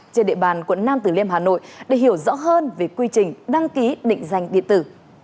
trên địa bàn quận nam tử liêm hà nội để hiểu rõ hơn về quy trình đăng ký định danh điện tử